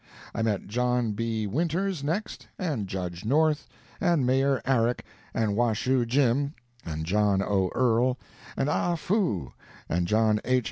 I met John B. Winters, next, and Judge North, and Mayor Arick, and Washoe Jim, and John O. Earl, and Ah Foo, and John H.